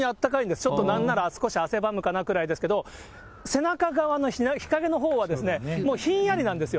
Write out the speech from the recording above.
ちょっとなんなら汗ばむくらいですけど、背中側の日陰のほうは、もうひんやりなんですよ。